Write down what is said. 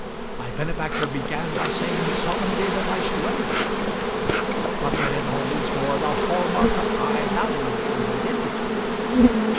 My benefactor began by saying he seldom gave advice to anyone, but that it always bore the hall mark of high value when he did give it.